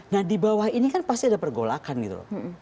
nah di bawah ini kan pasti ada pergolakan gitu